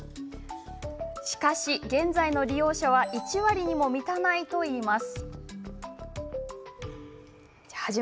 しかし、現在の利用者は１割にも満たないといいます。